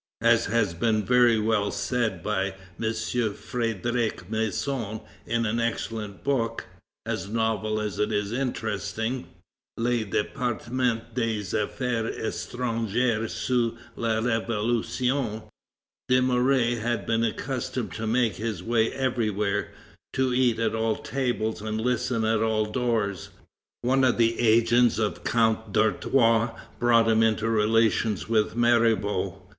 As has been very well said by M. Frédéric Masson in an excellent book, as novel as it is interesting, Le Département des affaires étrangères sous la Revolution, Dumouriez had been accustomed to make his way everywhere, to eat at all tables, and listen at all doors. One of the agents of Count d'Artois brought him into relations with Mirabeau.